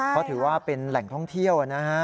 เพราะถือว่าเป็นแหล่งท่องเที่ยวนะฮะ